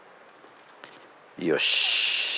よし。